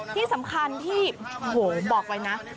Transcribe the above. ที่สำคัญที่โหบอกไว้นะ